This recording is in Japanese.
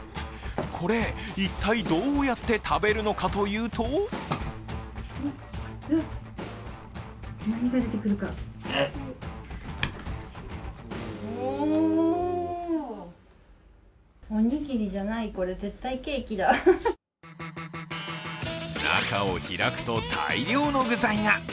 これ、一体どうやって食べるのかというと中を開くと大量の具材が。